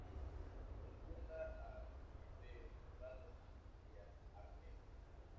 Recuerda al hebreo cuadrado y al arameo.